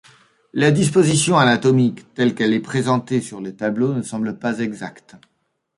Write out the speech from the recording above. La disposition anatomique telle qu'elle est présentée sur le tableau ne semble pas exacte.